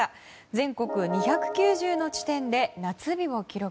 全国２９０の地点で夏日を記録。